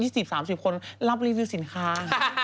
๓๐คนรับรีวิวสินค้า